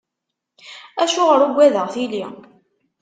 Acuɣer ugadeɣ tili?